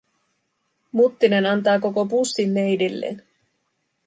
Muttinen antaa koko pussin neidilleen.